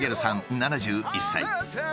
７１歳。